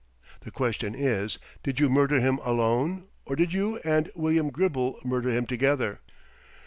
The question is, 'Did you murder him alone, or did you and William Gribble murder him together?'"